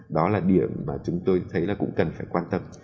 đó là điểm mà chúng tôi thấy là cũng cần phải quan tâm